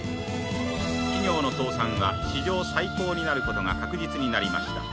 企業の倒産は史上最高になることが確実になりました。